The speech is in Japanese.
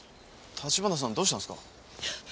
橘さんどうしたんですか？